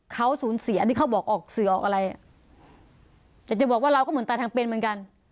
เขาสูญเสียอันนี้เขาบอกออกสื่อออกอะไรอ่ะแต่จะบอกว่าเราก็เหมือนตายทางเป็นเหมือนกัน